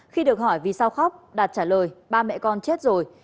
khi được hỏi vì sao khóc đạt trả lời ba mẹ con chết rồi